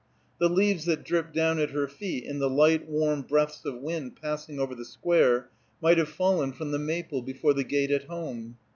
The leaves that dripped down at her feet in the light warm breaths of wind passing over the square might have fallen from the maple before the gate at home.